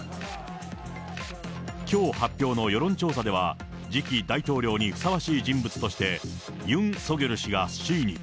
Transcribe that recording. きょう発表の世論調査では、次期大統領にふさわしい人物として、ユン・ソギョル氏が首位に。